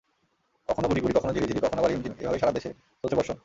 কখনো গুঁড়ি গুঁড়ি, কখনো ঝিরিঝিরি, কখনোবা রিমঝিম—এভাবে সারা দেশেই চলছে বর্ষণ।